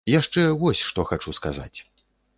Яшчэ вось што хачу сказаць.